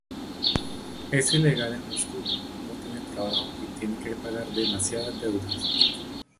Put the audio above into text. Es ilegal en Moscú, no tiene trabajo y tiene que pagar demasiadas deudas.